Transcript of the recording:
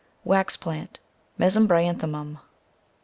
Wax Plant, cc Mesembryanthe mum.